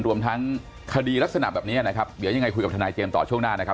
รวมทั้งคดีลักษณะแบบนี้นะครับเดี๋ยวยังไงคุยกับทนายเจมส์ต่อช่วงหน้านะครับ